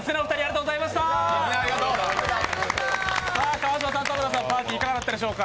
川島さん、田村さん、パーティーいかがだったでしょうか。